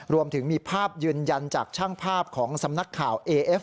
รวมถึงมีภาพยืนยันจากช่างภาพของสำนักข่าวเอเอฟ